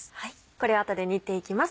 これを後で煮ていきます